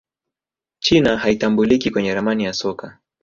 china haitambuliki kwenye ramani ya soka